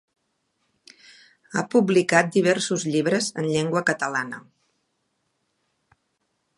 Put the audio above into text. Ha publicat diversos llibres en llengua catalana.